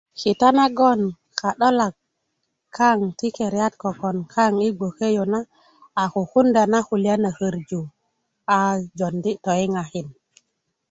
kita nago ka'dolak kaŋ ti keriyat kokon kaŋ yi gboke yu na a kukunda na kulya na korju a jondi toyiŋakin